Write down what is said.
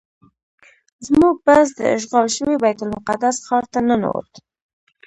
زموږ بس د اشغال شوي بیت المقدس ښار ته ننوت.